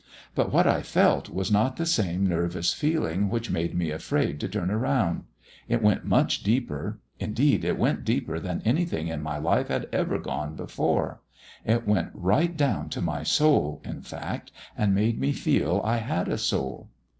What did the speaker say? But what I felt was not the same nervous feeling which made me afraid to turn round. It went much deeper indeed it went deeper than anything in my life had ever gone before; it went right down to my soul, in fact, and made me feel I had a soul."